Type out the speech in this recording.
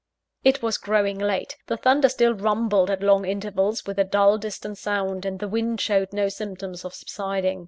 It was growing late. The thunder still rumbled at long intervals, with a dull, distant sound; and the wind showed no symptoms of subsiding.